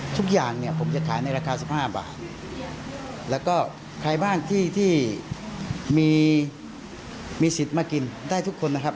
ทุกอย่างเนี่ยผมจะขายในราคา๑๕บาทแล้วก็ใครบ้างที่มีสิทธิ์มากินได้ทุกคนนะครับ